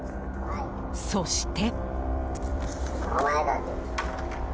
そして。